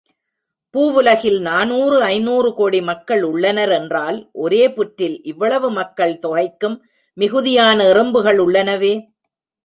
பூவுலகில் நானூறு ஐந்நூறுகோடி மக்கள் உள்ளனர் என்றால், ஒரே புற்றில் இவ்வளவு மக்கள் தொகைக்கும் மிகுதியான எறும்புகள் உள்ளனவே!